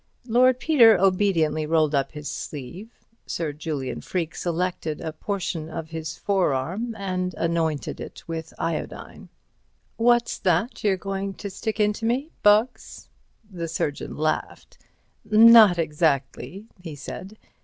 Lord Peter obediently rolled up his sleeve. Sir Julian Freke selected a portion of his forearm and anointed it with iodine. "What's that you're goin' to stick into me. Bugs?" The surgeon laughed. "Not exactly," he said.